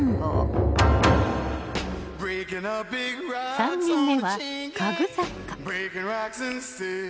３人目は家具作家